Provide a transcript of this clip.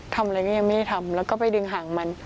ทำอะไรก็ยังไม่ได้ทำแล้วก็ไปดึงห่างมัน